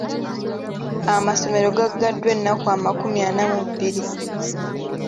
Amasomero gaggaddwa ennaku amakumi ana mu bbiri.